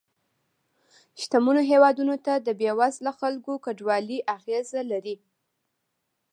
شتمنو هېوادونو ته د بې وزله خلکو کډوالۍ اغیزه لري